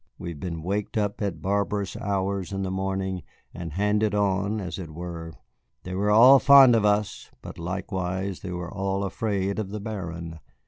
We have been waked up at barbarous hours in the morning and handed on, as it were. They were all fond of us, but likewise they were all afraid of the Baron.